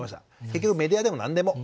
結局メディアでも何でも。